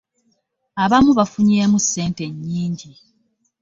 Abamu bafunyemu ssente nnyingi.